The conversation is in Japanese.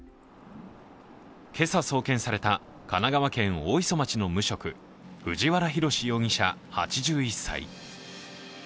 今朝送検された神奈川県大磯町の無職、藤原宏容疑者８１歳。